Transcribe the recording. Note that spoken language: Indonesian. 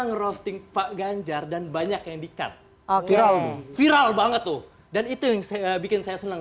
ngerosting pak ganjar dan banyak yang di cut viral banget tuh dan itu yang bikin saya senang